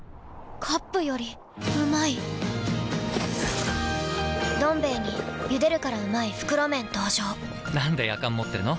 カップよりうまい「どん兵衛」に「ゆでるからうまい！袋麺」登場なんでやかん持ってるの？